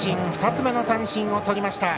２つめの三振をとりました。